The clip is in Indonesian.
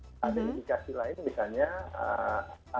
ada indikasi lain misalnya